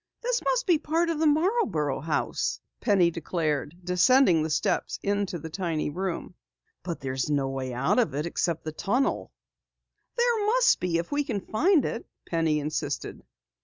"This must be part of the Marborough house," Penny declared, descending the steps into the tiny room. "But there's no way out of it except through the tunnel!" "There must be if we can find it," Penny insisted.